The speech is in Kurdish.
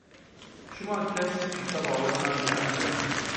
Çima kes ji te bawer nake Evdirehman?